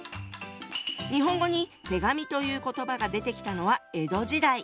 日本語に「手紙」という言葉が出てきたのは江戸時代。